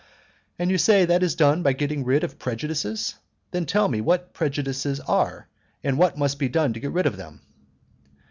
"And you say that it is done by getting rid of prejudices? Then tell me what prejudices are, and what must be done to get rid of them."